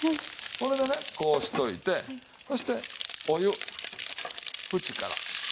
これでねこうしておいてそしてお湯縁から。